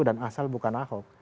dan asal bukan ahok